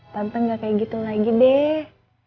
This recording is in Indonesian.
tante gak kayak gitu lagi deh